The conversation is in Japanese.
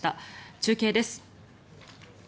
中継です。